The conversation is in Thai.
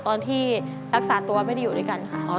ตอนที่รักษาตัวไม่ได้อยู่ด้วยกันค่ะ